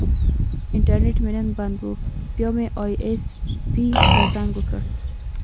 انټرنیټ مې نن بند و، بیا مې ائ ایس پي ته زنګ وکړ.